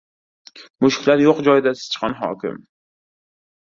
• Mushuklar yo‘q joyda sichqon hokim.